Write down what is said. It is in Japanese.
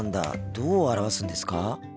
どう表すんですか？